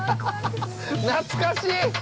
懐かしい。